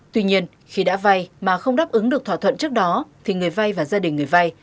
tuy nhiên khi đã vay mà không đáp ứng được thỏa thuận trước đó thì người vay và gia đình người vay